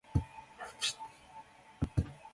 wfwarga